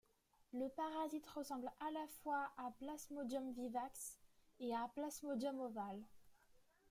Le parasite ressemble à la fois à Plasmodium vivax et à Plasmodium ovale.